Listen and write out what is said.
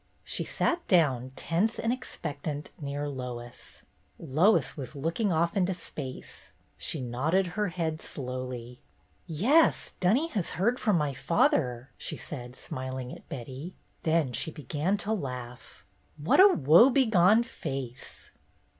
She sat down, tense and expectant, near Lois. Lois was looking off into space. She nodded her head slowly. "Yes. Dunny has heard from my father," she said, smiling at Betty. Then she began to laugh. "What a woe begone face!"